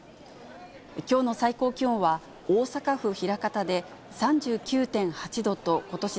きょうの最高気温は、大阪府枚方で３９．８度とことし